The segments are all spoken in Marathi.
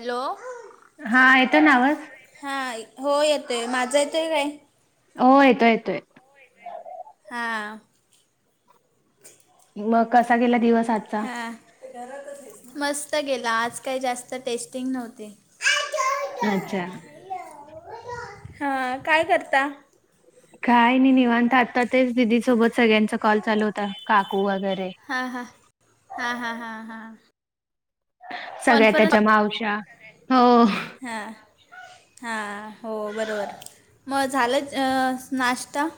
हॅलो हा येत ना आवाज हा हो येतोय माझं येतोय काय हो येतो येतोय हां मग कसा गेला दिवस आज हा मस्त गेला आज काही जास्त टेस्टिंग नव्हती अच्छा हा काय करता काय नाही निवांत आता तेच दिदी सोबत सगळ्यांचा कॉल चालू होता काकू वगैरे हा हां हा हां हां हां सगळ्या कॉन्फरन्स त्याच्या मावश्या हो हां हा हो बरोबर मग झालं नाश्ता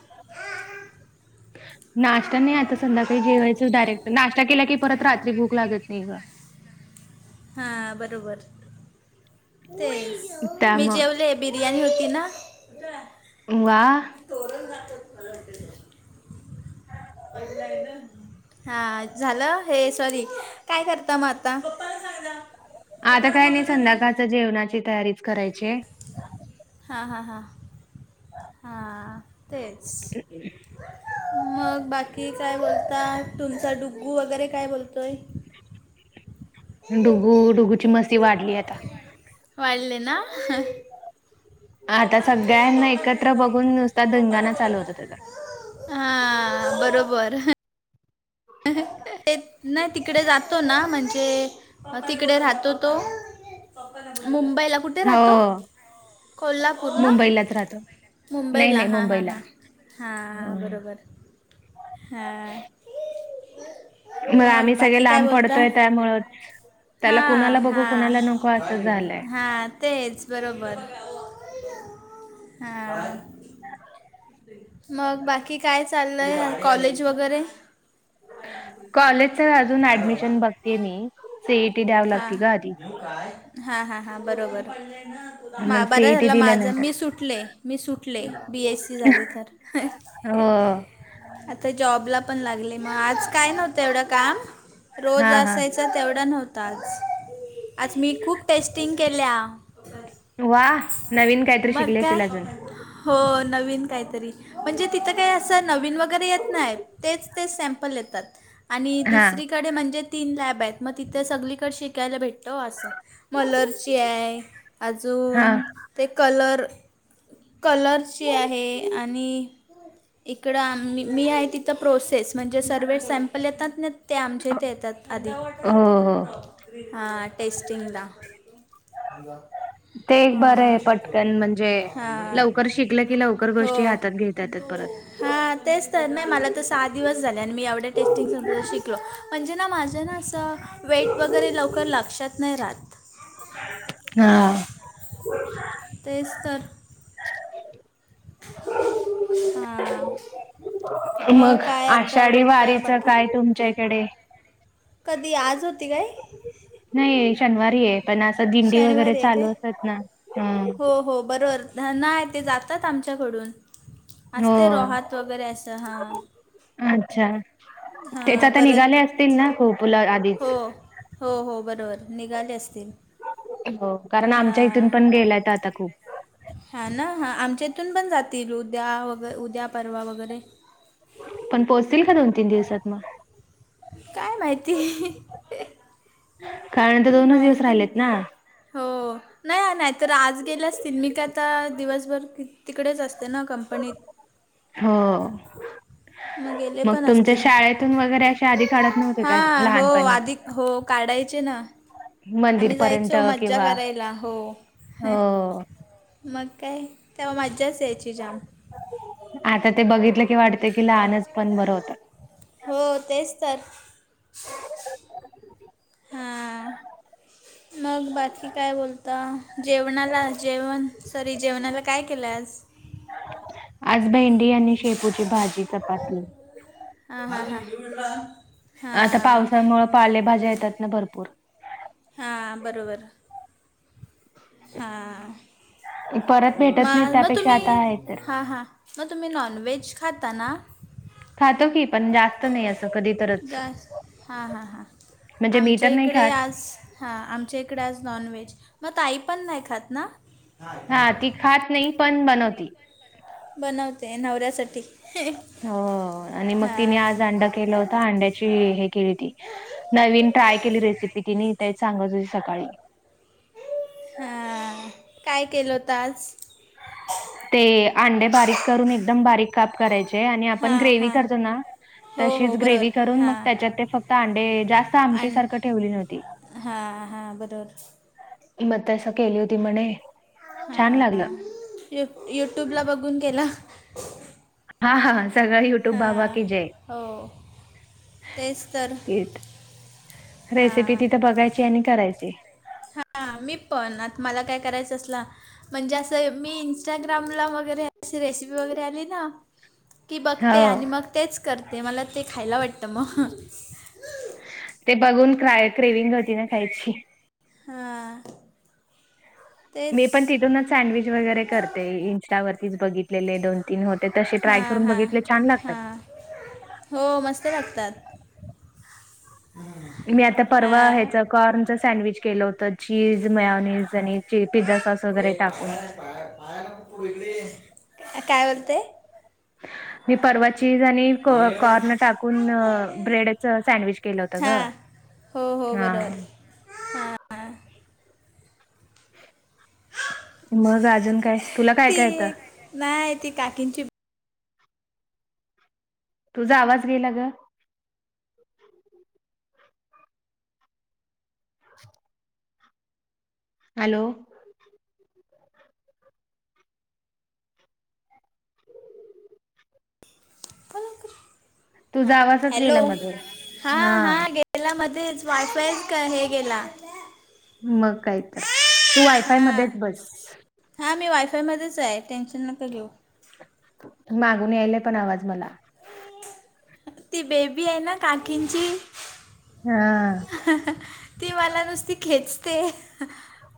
नाश्ता नाही आता संध्याकाळी जेवायचं डायरेक्ट नाश्ता केला की परत रात्री भूक लागत नाही ग हा बरोबर तेच मी त्यामुळं जेवले बिरयाणी होती ना वा [inaudible] हा झालं हे सॉरी काय करता मग आता पप्पाला सांग जा आता काय नाही संध्याकाळच जेवणाची तयारीच करायची आहे हां हां हां हा तेच तिथेच बस मग बाकी काय बोलता तुमचा डु्गू वगैरे काय बोलतोय डुगू डुगूची मस्ती वाढली आता वाले ना हा आता सगळ्यांना एकत्र बघून नुसता धिंगाणा चालू होत होता हा बरोबर ते नाही तिकडे जातो ना म्हणजे तिकडे राहतो तो मुंबईला कुठे हो राहतो व कोल्हापूर ना नाही मुंबईला नाही हां हां मुंबईला. हां हां. हां. हं. बरोबर हां. नाही आम्ही मग सगळे बाकी काय लांब बोलता पडतोय त्यामुळच - त्याला कुणाला हां बघू, हां कुणाला नको? असं झालंय. हां तेच बरोबर. हां. मग बाकी काय चाललय? कॉलेज वगैरे? कॉलेजचच अजून काय ऍडमिशन बघतेय मी. सी ई टी दयाव- हा. हां. हां. हां. बरोबर. मग बरं सीईटी झालं माझ. दिल्यानंतर मी सुट- -ले. मी सुटले बी एस सी झाली तर. हो आता जॉबला पण लागले. मग आज काही नव्हतं एवढं काम- हा रोज हा असायच तेवढ नव्हत. आज. आज मी खूप टेस्टिंग केल्या. वा! नवीन काहीतरी मग शिकली असशील काय अजून. हो. नवीन काहीतरी. म्हणजे तिथं काही असं नवीन वगैरे येत नाही. तेच ते सॅमपल येतात. आणि हा दुसरीकडे म्हणजे तीन लॅब आहेत. मग तिथ- ते सगळीकडे शिकायला भेटतं असं. मलरची आहे हा अजून- ते कलर कलरची आहे आणि- इकडं आम्ही, मी आहे तिथं प्रोसेस म्हणजे सर्व सॅम्पल येतात ना? ते आमच्या हो इथे येतात. आधी. हो हा टेस्टिंगला. ते एक बरं आहे हा. पटकन म्हणजे हा. लवकर शिकलं की लवकर गोष्टी हो. हातात घेता येतात परत. हा तेच तर ना. मला तर सहा दिवस झाले आणि मी एवढ्या टेस्टिंग समजा शिकलो. म्हणजे ना? माझं ना असं वेट वगैरे लवकर लक्षात नाही राहत. हा. तेच तर. हा. मग आषाढी बोलता वारीचं बाकी काय तुमच्याकडे? कधी आज होती काय? नाही शनिवारी ये. पण असं दिंडी वगैरे शनिवारी आहे काय चालू असत ना. अ. हो. हो. बरोबर. नाय. ते जातात आमच्याकडून हो असते रोहात वगैरे असं हां. अच्छा. तेच हां आता परत निघाले असतील ना खूपला आधीच. हो हो हो. बरोबर निघाले असतील. हो. कारण आमच्या इथून पण गेल्यायत आता खूप. हा ना? हा. आमच्या इथून पण जातील उद्या वगर उद्या परवा वगैरे. पण पोहोचतील का दोन तीन दिवसात मग? काय माहिती कारण तर दोनच दिवस माहिती नाय. राहिलेत ना हो. नाही ओ. नाही तर आज गेल्या असतील. मी काय आता दिवसभर तिकडेच असते ना कंपनीत. हो. गेले मग पण तुमच्या असतील शाळेतून वगैरे अशी आधी काढत नव्हते का हां हो लहानपणी? आधी हो काढायचे ना. आम्ही मंदिरपर्यंत जायचो मज्जा किंवा करायला. हो. हो मग काय? तेव्हा मज्जाच यायची जाम. आता ते बघितलं की वाटतय कि, लहानचपण बरं होतं. हो. तेच तर. हां मग बाकी काय बोलता? जेवणाला? जेवण, सॉरी जेवणाला काय केलं आज? आज भेंडी आणि शेपूची भाजी चपाती. हा हा ह. आता पावसामुळं पालेभाज्या येतात ना, भरपूर. हां बरोबर. हा परत म भेटत आ, नाही मग त्यापेक्षा तुम्ही, आता आहे तर हा-हा. मग तुम्ही नॉनव्हेज खाताना? खातो की पण जास्त नाही, असं कधी तरच. जास्त हां हां हां म्हणजे मी तर आमच्या नाही इकडे खात आज हां आमच्या इकडे आज नॉनव्हेज, मग ताई पण नाही खात ना? हा ती खात नाही, पण बनवती. बनवते, नवऱ्यासाठी हीं ह. हो आणि मग तिने आज अंडा केला होता, अंड्याची हे केली होती. नवीन ट्राय केली रेसिपी तिने, तेचं सांगत होती सकाळी. हा काय केलं होत आज? ते अंडे बारीक करून एकदम बारीक काप करायचे आणि आपण हां ग्रेव्हि हां करतो ना? हो हो तशीच बरोबर ग्रेव्हि करून, मग हां त्याच्यात ते फक्त अंडे जास्त आमटी सारखं ठेवली नव्हती. हा हा बरोबर. म तस केली होती म्हणे, छान लागल. यू-यूट्यूबला बघून केला. हा-हा सगळं यु ट्यूब बाबा हां की जय! हो तेच तर [unintelligible] रेसिपी हां तिथं बघायची आणि करायची. हा मी पण, आत मला काय करायचं असल म्हणजे असं मी इंन्स्टाग्रामला वगैरे अशी रेसिपी वगैरे आली ना? की हो बघते आणि मग तेच करते, मला ते खायला वाटतं मग. ते बघून क्राय क्रेविंग होती ना खायची? हां. मी पण तेच तिथूनच सँडविच वगैरे करते, इन्स्टावररतीच बघितलेले दोन--तीन होते तसे ट्राय हां करून हां बघित तले छान लागतात. हां हो मस्त लागतात. मी आता परवा हां हेच कॉर्नच सँडविच केलं होत, चीज म्यावनीज आणि चे पिझ्झा सॉस ए वगैरे टाकून पाळणा पाळ पाया नकु पडू, इकडे ये मी परवा चीज आणि को ये कॉर्न टाकून, ब्रेडचं सँडविच केलं होत ग. हो-हो हा बरयं. मग अजून काय? तुला काय ती, काय येतं नाय ती काकींची तुझा आवाज गेला ग. हॅलो? हा तूझा आवाजच गेला मधुन, हा. याला मध्येच वायफायच, हे गेला. मग काय तर, तू वायफाय मध्येच बस. हां मी वायफायमध्येच हाय टेन्शन नको घेऊ. मागून यायलाय पण आवाज मला. ती बेबी ये ना काकींची हा ती मला नुसती खेचते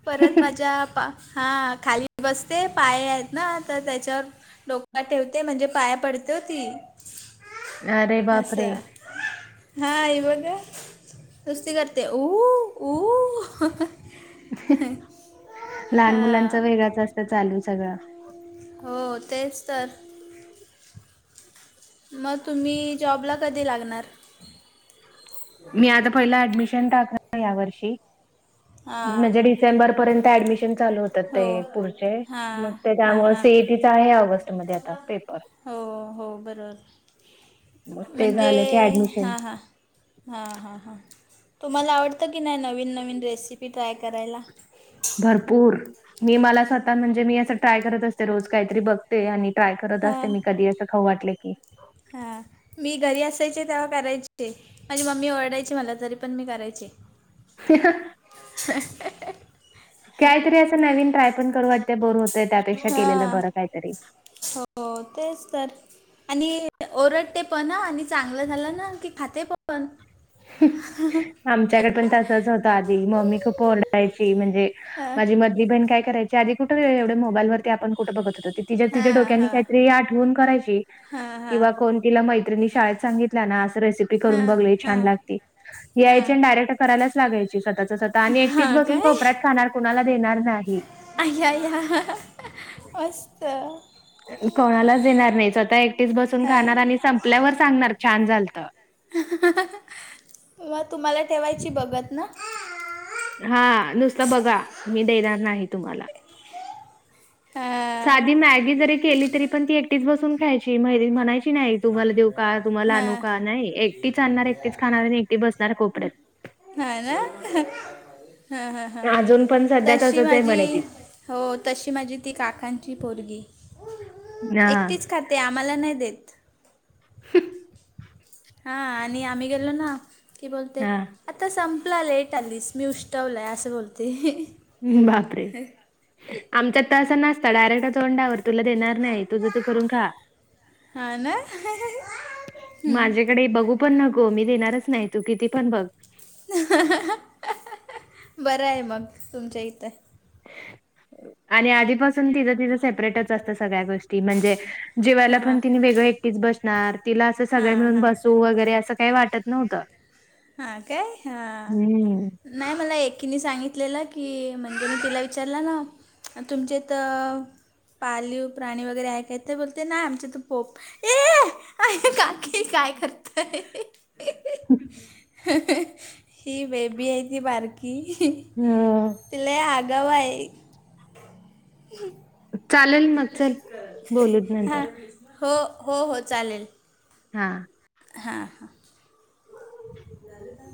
परत हा माझ्या पा हा खाली बसते पाय आहेत ना तर त्याच्यावर डोका ठेवते म्हणजे पाया पडते हो ती अरे अस बापरे हा ही बघा नुसती करते ऊहु ऊहु लहान मुलांच हां वेगळाच असत चालू सगळं हो तेच तर म तुम्ही जॉबला कधी लागणार? मी आता पहिलं ऍडमिशन टाकणार या वर्षीे हां म्हणजे डी सेंबर पर्यंत ऍडमिन चाल होत हो तते पुढचे म हां ते हां त्यामुळे हां सीईटीचा आहे ऑगस्ट मध्ये आता पेपर. हो हो मग बरोबर ते म्हणजे झालं की ऍडमिशन हां हां हां हां हां तुम्हाला आवडतं की नाय नवीन नवीन रेसिपी ट्राय करायला. भरपूर मी मला स्वतः म्हणजे मी असं ट्राय करत असते रोज कायतरी बघ ते आणि टाय करत असते मी कधी असं खऊ वाटले की हा मी घरी असायचे तेव्हा करायचे माझी मम्मी ओरडायची मला तरी पण मी करायचे कायतरी असं नवीन ट्राय पण करू वाट ते बोर होतय त्यापेक्षा केलेलं हां बरं कायतरी हो तेच तर आणि ओरडते पण ह आणि चांगलं झालं ना की खाते पण आमच्याकड पण तसच होत आधी मम्मी खूप ओरडायची म्हणजे हां माझी मधली बहिण काय करायची आधी कुठ एवढं मोबाईलवरती आपण कुठं बघत होतो ती तिच्या तिच्या हां डोक्यानी हां कायतरी आठवून करायची हां हां किंवा कोण तिला मैत्रणी शाळेत सांगितला ना अस रेसिपी हा करून बघ लई हा छान लागती. हा यायची आणि डायरेक्ट करायलाच लागायची स्वतःच स्वतः आणि एकटीचं हा बसून काय कोपऱ्यात खाणार कुणाला देणार नाही. आ या यां मस्त कोणालाच देणार नाही स्वतः एकटीच बसून हा खाणार आणि संपल्यावर सांगणार छान झालत. म तुम्हाला ठेवायची बघत ना हा नुसत बघा मी देणार नाही तुम्हाला हा साधी मॅगी जरी केली तरी पण ती एकटीच बसून खायची म्हय म्हणायची नाही. तुम्हाला देऊ का तुम्हाला हा आणू का नाही एकटीच आणणार एकटीच खाणार आणि एकटी बसणार कोपऱ्यात हा ना हं हं हं अजून पण सध्या तशी तसंच आहे माझी म्हणे तिचं. हो तशी माझी ती काकांची पोरगी हां, एकटीच खात ते आम्हाला नाय देत. ती बोलते हां. आता संपला. लेट आलीस मी उष्टवलंय असं बोलते. बापरे! आमच्यात त असं नसत डायरेक्ट तोंडावर तुला देणार नाही तुझ तू करून खा हा ना हम्म. माझे कडे बघू पण नको मी देणारच नाही तू किती पण बघ बरं हाय मग तुमच्या इथं आणि आधीपासून तिच तिच सेपरेटच असतं सगळ्या गोष्टी म्हणजे जेवायला हां पण तिने वेगळं एकटीच बसणार तिला असं सगळे हां मिळून हां बसू वगैरे असं काही वाटत नव्हतं. हा काय हा हम्म. नाही मला एकीने सांगितलेलं की म्हणजे मी तिला विचारला ना तुमचे तर पालीव प्राणी वगैरे आहे काय तर बोलते नाही आमच्यात तर पोप ए काकी काय करतेय. ह ही बेबी आहे ती बारकी हम्म ती लई आघाव आहे. [unintelligible] चालेल मग चल बोलूत हां नंतर हो हो हो चालेल. हा हा हा झाल‌ ना